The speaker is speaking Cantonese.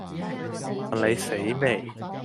問你死未